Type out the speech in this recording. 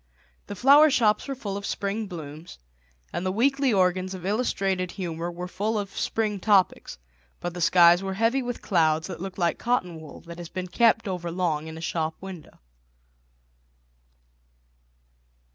The flower shops were full of spring blooms, and the weekly organs of illustrated humour were full of spring topics, but the skies were heavy with clouds that looked like cotton wool that has been kept over long in a shop window.